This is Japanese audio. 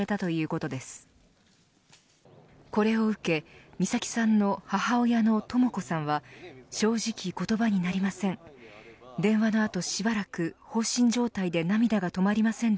これを受け、美咲さんの母親のとも子さんは正直言葉になりません